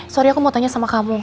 sorry aku mau tanya sama kamu